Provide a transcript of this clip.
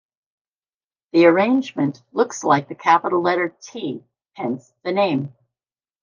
The arrangement looks like the capital letter T, hence the name.